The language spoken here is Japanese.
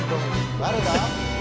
誰だ？